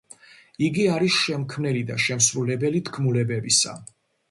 იგი არის შემქმნელი და შემსრულებელი თქმულებებისა.